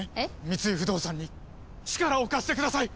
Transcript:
三井不動産に力を貸してください！